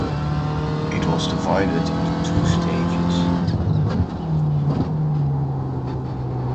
It was divided into two stages.